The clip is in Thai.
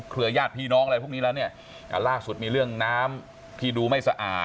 ญาติพี่น้องอะไรพวกนี้แล้วเนี่ยอ่าล่าสุดมีเรื่องน้ำที่ดูไม่สะอาด